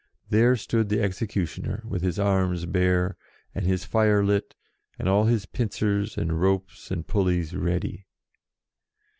There stood the execu tioner, with his arms bare, and his fire lit, and all his pincers, and ropes, and pulleys ready.